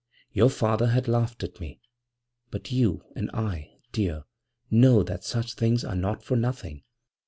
Your father has laughed at me, but you and I, dear, know that such things are not for nothing.